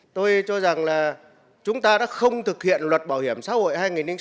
tôi cho rằng là chúng ta đã không thực hiện luật bảo hiểm xã hội hai nghìn sáu